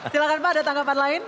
silahkan pak ada tanggapan lain